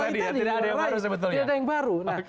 bahwa tadi ya tidak ada yang baru sebetulnya